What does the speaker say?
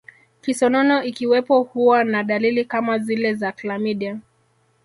Kisonono ikiwepo huwa na dalili kama zile za klamidia